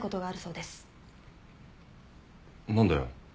何だよ？